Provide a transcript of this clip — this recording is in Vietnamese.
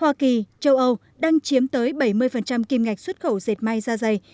hoa kỳ châu âu đang chiếm tới bảy mươi kim ngạch xuất khẩu dệt may ra dày